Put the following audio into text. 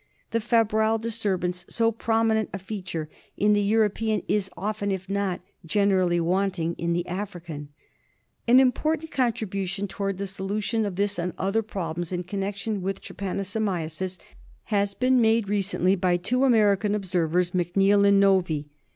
The febrile disturbance, so prominent a feature in the European, is often, if not generally, wanting in the African. An important contribution towards the solution of this and other problems in connection with trypano somiasis has been made recently by two American observers — McNeal and Novy.